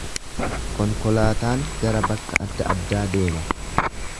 Konkolaataan gara bakka adda addaa deema.